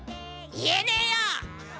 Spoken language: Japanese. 言えねよ！